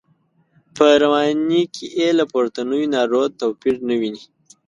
په رواني کې یې له پورتنیو نارو توپیر نه ویني.